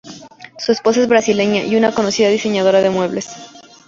Su esposa es brasileña y una conocida diseñadora de muebles.